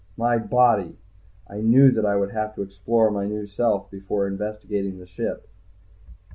My body. I knew that I would have to explore my new self before investigating the ship.